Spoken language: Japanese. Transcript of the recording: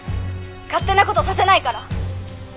勝手な事させないから！」